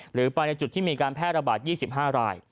หรือไปในจุดที่มีการแพร่ระบาด๒๕ราย